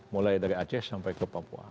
mulai dari aceh sampai ke papua